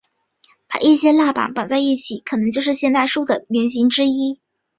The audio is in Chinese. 把一些蜡板绑在一起可能就是现代书的原型之一。